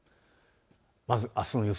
まずあすの予想